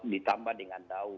ditambah dengan tau